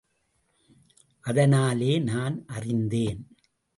அதனாலே நான் அறிந்தேன்.